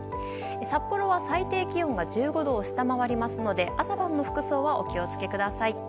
札幌は最低気温が１５度を下回りますので、朝晩の服装はお気をつけください。